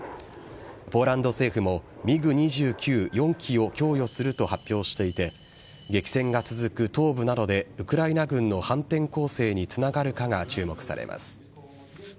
ポーランド政府もミグ２９、４機を供与すると発表していて激戦が続く東部などでウクライナ軍の反転攻勢につながるかが注目されます。